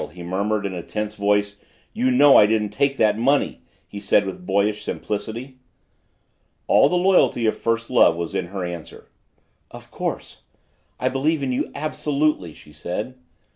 he murmured in a tense voice. "You know I didn't take that money!" he said with boyish simplicity. All the loyalty of first love was in her answer. "Of course! I believe in you absolutely!" she said.